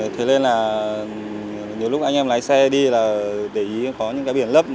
thế nên là nhiều lúc anh em lái xe đi là để ý có những cái biển lấp